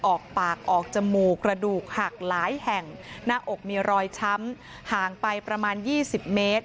ออกปากออกจมูกกระดูกหักหลายแห่งหน้าอกมีรอยช้ำห่างไปประมาณ๒๐เมตร